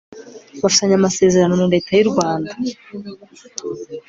bafitanye amasezerano na leta y u rwanda